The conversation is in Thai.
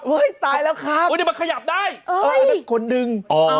อุ๊ยตายแล้วครับเอ้ยนี่มันขยับได้โอ้ยคนดึง